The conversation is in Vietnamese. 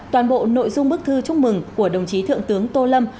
toàn bộ nội dung bức thư chúc mừng của đồng chí thượng tướng tô lâm